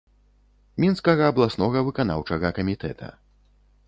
Мінскага абласнога выканаўчага камітэта.